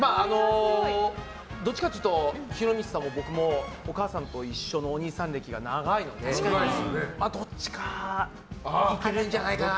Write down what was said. どっちかというと弘道さんも僕も「おかあさんといっしょ」のおにいさん歴が長いのでどっちかいけるんじゃないかなと。